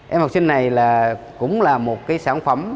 em học sinh này là cũng là một cái sản phẩm